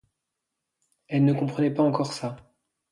Elle ne comprenait pas encore ça.